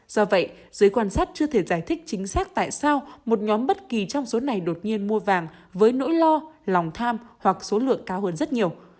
do vậy giới quan sát chưa thể giải thích chính xác tại sao một nhóm bất kỳ trong số này đột nhiên mua vàng với nỗi lo lòng tham hoặc số lượng cao hơn rất nhiều